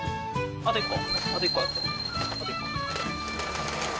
あと１個。